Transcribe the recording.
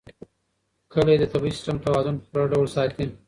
کلي د طبعي سیسټم توازن په پوره ډول ساتي.